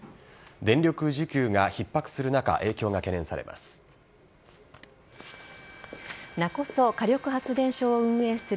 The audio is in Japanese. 電力需給がひっ迫する中影響が懸念されます。